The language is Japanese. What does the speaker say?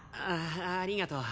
あありがとう。